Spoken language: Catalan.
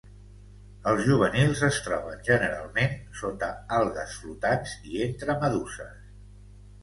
Els juvenils es troben, generalment, sota algues flotants i entre meduses.